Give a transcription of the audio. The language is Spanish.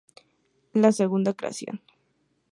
La Segunda Creación.